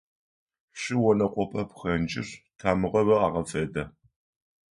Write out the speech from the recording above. Шы онэкъопэ пхэнджыр тамыгъэуи агъэфедэ.